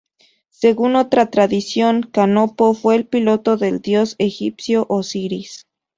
Según otra tradición, Canopo fue el piloto del dios egipcio Osiris.